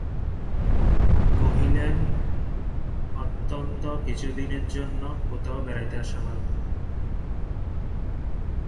কহিলেন, অন্তত কিছুদিনের জন্য কোথাও বেড়াইয়া আসা ভালো।